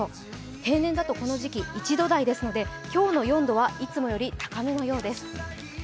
平年だとこの時期１度台ですので今日の４度はいつもより高めのようです。